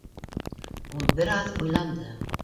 — Ул бер аҙ уйланды.